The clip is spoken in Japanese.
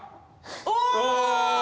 お。